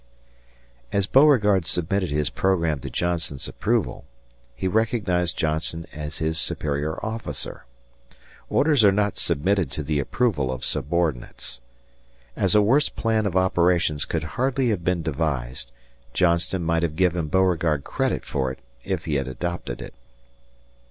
As Beauregard submitted his program to Johnston's approval, he recognized Johnston as his superior officer. Orders are not submitted to the approval of subordinates. As a worse plan of operations could hardly have been devised, Johnston might have given Beauregard credit for it if he had adopted it.